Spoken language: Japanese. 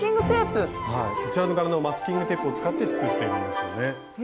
正解はねそうこちらの柄のマスキングテープを使って作っているんですよね。